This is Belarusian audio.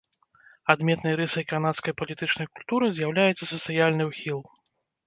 Адметнай рысай канадскай палітычнай культуры з'яўляецца сацыяльны ўхіл.